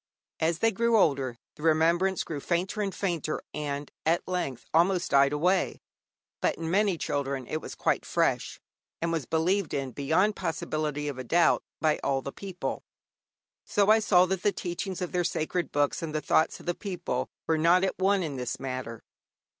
As they grew older the remembrance grew fainter and fainter, and at length almost died away. But in many children it was quite fresh, and was believed in beyond possibility of a doubt by all the people. So I saw that the teachings of their sacred books and the thoughts of the people were not at one in this matter.